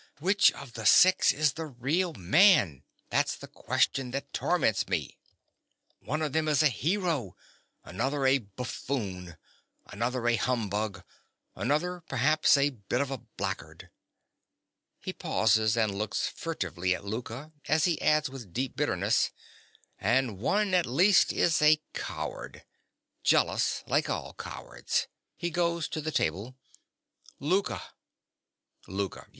Which of the six is the real man?—that's the question that torments me. One of them is a hero, another a buffoon, another a humbug, another perhaps a bit of a blackguard. (He pauses and looks furtively at Louka, as he adds with deep bitterness) And one, at least, is a coward—jealous, like all cowards. (He goes to the table.) Louka. LOUKA.